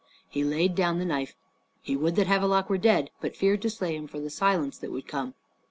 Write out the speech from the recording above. He laid down the knife. He would that Havelok were dead, but feared to slay him for the silence that would come.